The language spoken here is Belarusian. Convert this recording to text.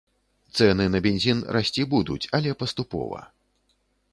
Цэны на бензін расці будуць, але паступова.